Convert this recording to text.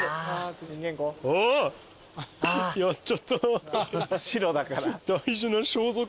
やっちゃった。